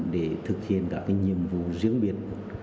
để thực hiện các nhiệm vụ riêng biệt